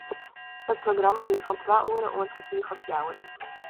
It programma wie fan twa oere oant kertier foar fjouweren.